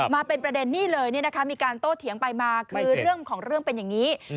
มาเป็นประเด็นนี่เลยมีการโต้เถียงไปมาคือเรื่องของเรื่องเป็นอย่างนี้